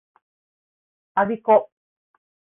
我孫子